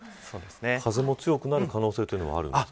風も強くなる可能性はあるんですか。